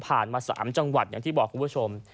มา๓จังหวัดอย่างที่บอกคุณผู้ชม